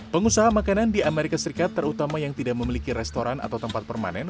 pengusaha makanan di amerika serikat terutama yang tidak memiliki restoran atau tempat permanen